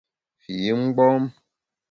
Fi mgbom !